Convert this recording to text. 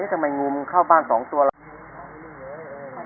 ถ้าไงงูมึงเข้าบ้านสองตัวเรา